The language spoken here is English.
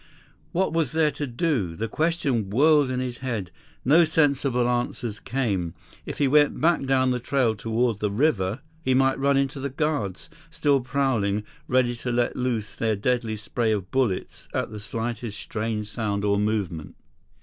What was there to do? The questions whirled in his head. No sensible answers came. If he went back down the trail toward the river, he might run into the guards, still prowling, ready to let loose their deadly spray of bullets at the slightest strange sound or movement.